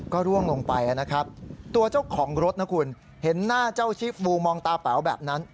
ก็ร่วงลงไปนะครับตัวเจ้าของรถนะคุณเห็นหน้าเจ้าชีฟูมองตาเป๋าแบบนั้น